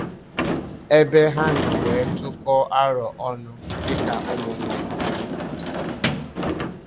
ebe ha nọrọ wee tụkọọ arò ọnụ dịka ụmụnne